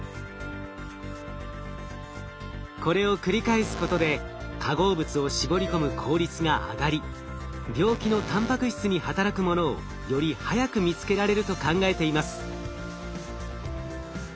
これを繰り返すことで化合物を絞り込む効率が上がり病気のたんぱく質に働くものをより早く見つけられると考えています。